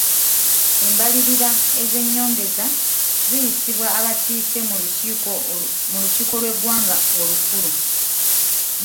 Embalirira ez'ennyongeza ziyisibwa abakiise mu lukiiko lw'eggwanga olukulu.